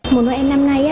mùa noel năm nay